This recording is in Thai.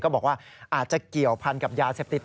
บอกว่าอาจจะเกี่ยวพันกับยาเสพติด